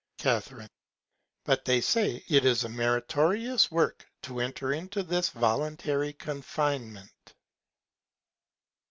Ca. But they say, it is a meritorious Work to enter into this voluntary Confinement.